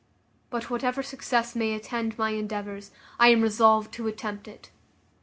But whatever success may attend my endeavours, I am resolved to attempt it.